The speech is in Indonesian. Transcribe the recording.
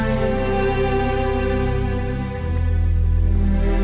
kayaknya ngambil duit aku talkin' lo anjaknya